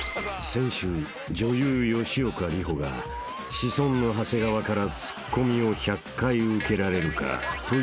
［先週女優吉岡里帆がシソンヌ長谷川からツッコミを１００回受けられるかという企画に挑戦］